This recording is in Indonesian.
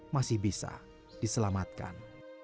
masih bisa diselamatkan